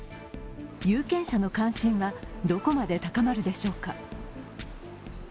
有権者の関心はどこまで高まるでしょうか。